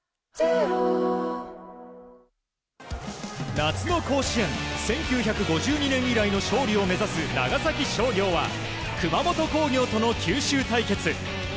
夏の甲子園、１９５２年以来の勝利を目指す長崎商業は熊本工業との九州対決。